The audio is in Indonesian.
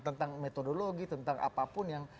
tentang metodologi tentang apapun yang